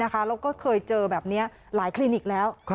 แล้วก็เคยเจอแบบนี้หลายคลินิกแล้ว